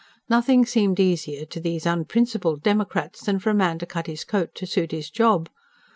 Nothing seemed easier to these unprincipled democrats than for a man to cut his coat to suit his job.